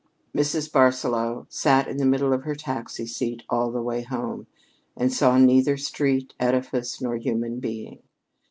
Mrs. Barsaloux sat in the middle of her taxi seat all the way home, and saw neither street, edifice, nor human being.